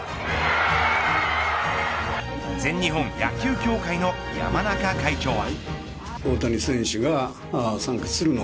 全日本野球協会の山中会長は。